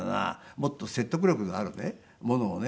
もっと説得力があるねものをね